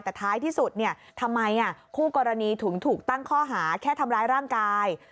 แต่ท้ายที่สุดทำไมคู่กรณีถึงถูกตั้งข้อหาแค่ทำร้ายร่างกาย